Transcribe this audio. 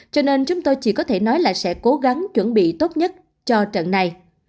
cho nên chúng tôi chỉ có thể nói là sẽ cố gắng chuẩn bị tốt nhất cho trận này